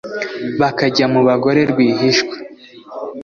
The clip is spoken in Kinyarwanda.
bakajya mu bagore rwihishwa